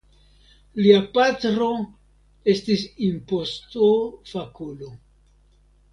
Lia patro estis impostofakulo.